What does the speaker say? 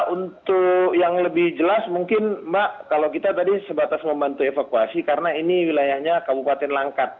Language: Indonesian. untuk yang lebih jelas mungkin mbak kalau kita tadi sebatas membantu evakuasi karena ini wilayahnya kabupaten langkat